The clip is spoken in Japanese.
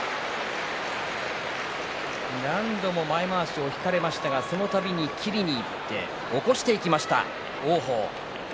何度も前まわしを引かれましたがその度に切りにいって起こしていきました、王鵬。